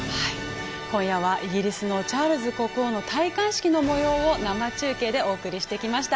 今夜はイギリスのチャールズ国王の戴冠式の模様を生中継でお送りしてきました。